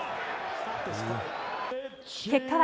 結果は。